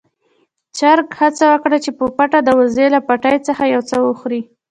چرګ هڅه وکړه چې په پټه د وزې له پټي څخه يو څه وخوري.